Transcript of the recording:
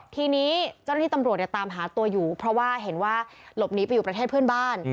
ทีนี้เจ้าหน้าที่ตำรวจตามหาตัวอยู่เพราะว่าเห็นว่าหลบหนีไปอยู่ประเทศเพื่อนบ้าน